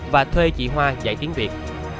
và thuê chị hoa dạy tiếng việt